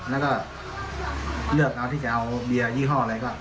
แล้วก็เลือกเอาที่จะเอาเบียร์ยี่ห้ออะไรก็